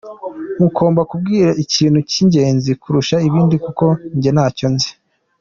Mugomba kumbwira ikintu cy'ingenzi kurusha ibindi kuko jyewe ntacyo nzi.